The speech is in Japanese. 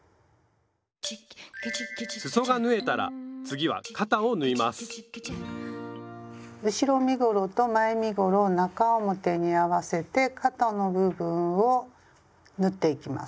すそが縫えたら次は肩を縫います後ろ身ごろと前身ごろを中表に合わせて肩の部分を縫っていきます。